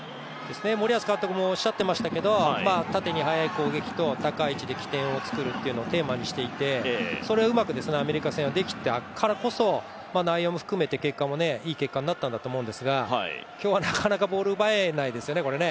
森保監督もおっしゃっていましたけど縦に速い攻撃と高い位置で起点を作るというのをテーマにしていてそれをうまくアメリカ戦はできたからこそ内容含めて、いい結果になったと思うんですが今日はなかなかボールを奪えないですよね、これ。